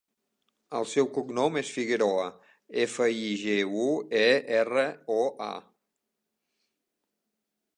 El seu cognom és Figueroa: efa, i, ge, u, e, erra, o, a.